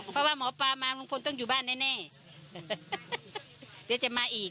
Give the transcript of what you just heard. เพราะว่าหมอปลามาลุงพลต้องอยู่บ้านแน่เดี๋ยวจะมาอีก